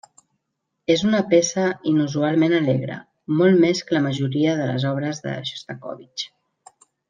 És una peça inusualment alegre, molt més que la majoria de les obres de Xostakóvitx.